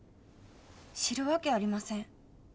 知る訳ありません。